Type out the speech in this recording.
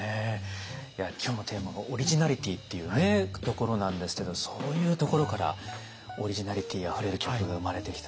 いや今日のテーマが「オリジナリティー」っていうところなんですけどそういうところからオリジナリティーあふれる曲が生まれてきた。